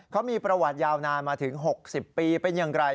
เขามีประวัติยาวนานมาถึง๖๐ปีเป็นอย่างไร